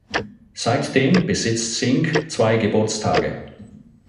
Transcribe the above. Seitdem besitzt Singh zwei Geburtstage.